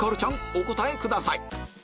お答えください